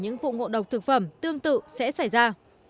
những vụ ngộ độc thực phẩm tương tự sẽ xảy ra